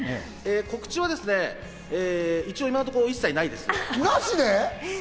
告知はですね、今のところ、一切ないです。